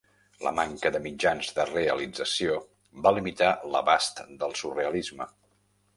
La manca de mitjans de realització va limitar l'abast del surrealisme.